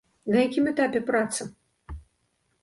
На якім этапе праца?